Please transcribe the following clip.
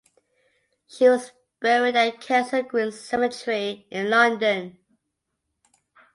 She was buried at Kensal Green Cemetery in London.